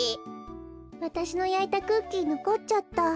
わたしのやいたクッキーのこっちゃった。